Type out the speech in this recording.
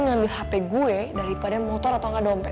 ngambil hp gue daripada motor atau nggak dompet